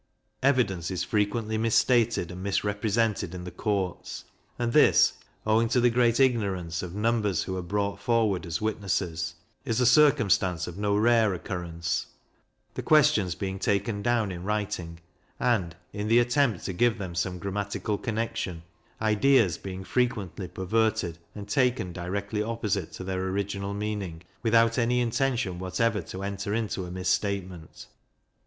Evidence is frequently mis stated and misrepresented in the courts, and this, owing to the great ignorance of numbers who are brought forward as witnesses, is a circumstance of no rare occurrence; the questions being taken down in writing, and, in the attempt to give them some grammatical connection, ideas being frequently perverted, and taken directly opposite to their original meaning, without any intention whatever to enter into a mis statement.